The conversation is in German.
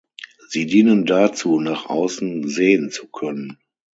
Sie dienen dazu, nach außen sehen zu können.